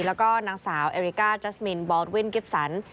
แล้วก็นางสาวเอริกาจัสมินบอสวินกิฟสัน